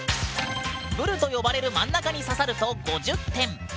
ブルと呼ばれる真ん中に刺さると５０点！